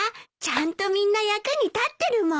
ちゃんとみんな役に立ってるもん。